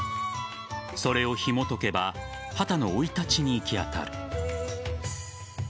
それをひもとけば畑の生い立ちに行き当たる。